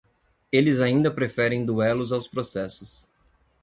Eles ainda preferem duelos aos processos.